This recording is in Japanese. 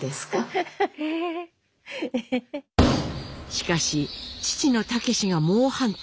しかし父の武が猛反対。